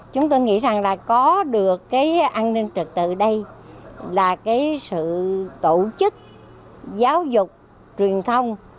chúng tôi nghĩ rằng là có được cái an ninh trật tự đây là cái sự tổ chức giáo dục truyền thông